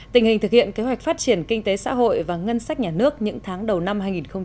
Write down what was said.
tình hình thực hiện kế hoạch phát triển kinh tế xã hội và ngân sách nhà nước những tháng đầu năm hai nghìn một mươi chín